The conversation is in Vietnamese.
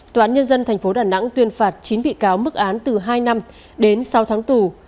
tòa án nhân dân tp đà nẵng tuyên phạt chín bị cáo mức án từ hai năm đến sáu tháng tù